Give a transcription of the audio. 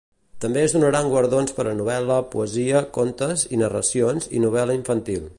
També es donaran guardons per a novel·la, poesia, contes i narracions i novel·la infantil.